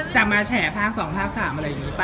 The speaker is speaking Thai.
จำมาแฉภาพสองภาพสามอะไรอย่างนี้ปะ